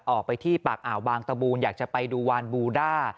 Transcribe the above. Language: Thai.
ออกไปที่ปากอ่าวบางตะบูนอยากจะไปดูวานบูด้า